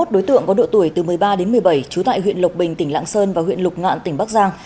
hai mươi đối tượng có độ tuổi từ một mươi ba đến một mươi bảy trú tại huyện lộc bình tỉnh lạng sơn và huyện lục ngạn tỉnh bắc giang